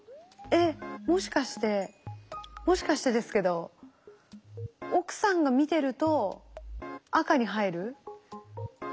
えっもしかしてもしかしてですけど奥さんが見てると赤に入る。